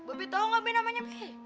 bebe tahu nggak be namanya